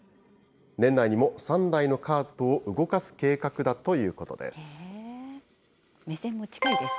年内にも３台のカートを動かす計画だということです。